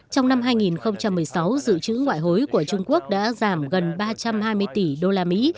trong năm hai nghìn một mươi sáu dự trữ ngoại hối của trung quốc đã giảm bốn mươi một tỷ usd xuống ba một mươi một tỷ usd